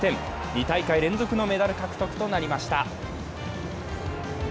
２大会連続のメダル獲得となりました。